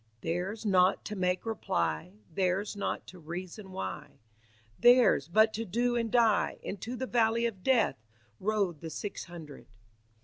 "Theirs not to make reply, Theirs not to reason why, Theirs but to do and die: Into the valley of Death Rode the six hundred."